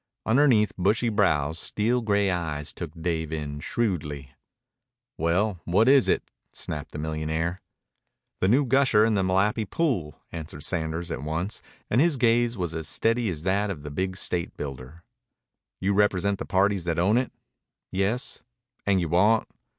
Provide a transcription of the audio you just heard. Underneath bushy brows steel gray eyes took Dave in shrewdly. "Well, what is it?" snapped the millionaire. "The new gusher in the Malapi pool," answered Sanders at once, and his gaze was as steady as that of the big state builder. "You represent the parties that own it?" "Yes." "And you want?"